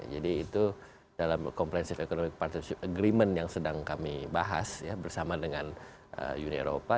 jadi itu dalam comprehensive economic partnership agreement yang sedang kami bahas bersama dengan uni eropa